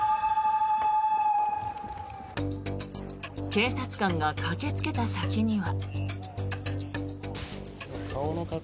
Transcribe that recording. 警察官が駆けつけた先には。